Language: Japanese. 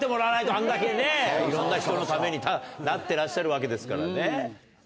あんだけねいろんな人のためになってらっしゃるわけですからね。